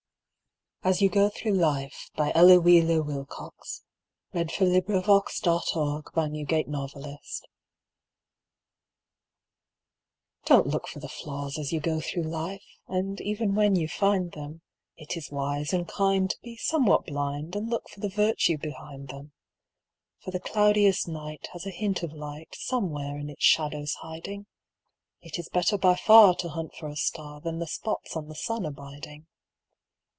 I go But 'tis the seventh sin." (Oh! the sad secrets of that orb of white.) AS YOU GO THROUGH LIFE Don't look for the flaws as you go through life; And even when you find them, It is wise and kind to be somewhat blind And look for the virtue behind them. For the cloudiest night has a hint of light Somewhere in its shadows hiding; It is better by far to hunt for a star, Than the spots on the sun abiding.